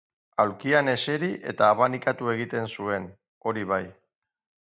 Aulkian eseri eta abanikatu egiten zuen, hori bai.